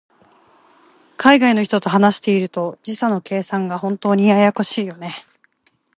海外の人と話していると、時差の計算が本当にややこしいよね。